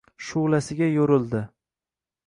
Shu’lasiga yo’rrildi.